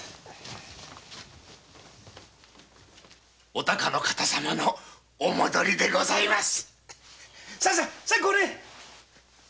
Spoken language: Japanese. お孝の方様のお戻りでございます。